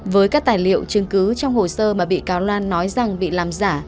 với các tài liệu chứng cứ trong hồ sơ mà bị cáo loan nói rằng bị làm giả